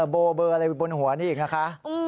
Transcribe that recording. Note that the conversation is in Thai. เบอร์อะไรบนหัวนี่อีกนะคะ